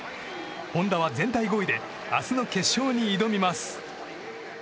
本多は全体５位で明日の決勝に挑みます。